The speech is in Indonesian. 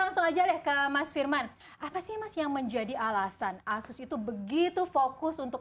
langsung aja deh ke mas firman apa sih mas yang menjadi alasan asus itu begitu fokus untuk